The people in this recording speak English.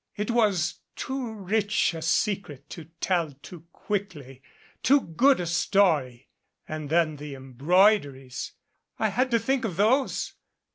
"It was too rich a secret to tell too quickly too good a story and then the embroideries I had to think of those.